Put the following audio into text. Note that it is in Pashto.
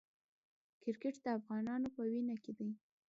کرکټ د افغانانو په وینو کې دی.